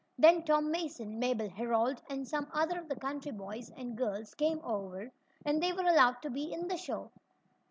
Then Tom Mason, Mabel Herold and some other of the country boys and girls came over, and they were allowed to be in the show.